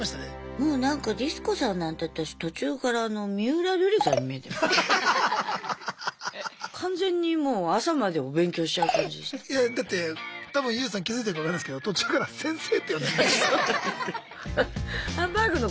もうなんかリス子さんなんて私途中から完全にもういやだって多分ＹＯＵさん気付いてるか分かんないですけど途中から「先生」って呼んでましたよ。